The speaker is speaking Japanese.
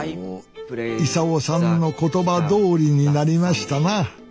功さんの言葉どおりになりましたな。